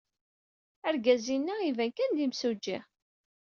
Argaz-inna iban kan d imsujji.